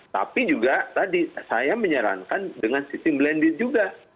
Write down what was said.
tapi juga tadi saya menyarankan dengan sistem blended juga